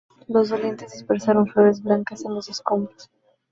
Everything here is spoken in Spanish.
Los dolientes dispersaron flores blancas en los escombros.